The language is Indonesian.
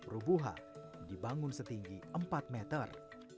rubuha dibangun setinggi empat meter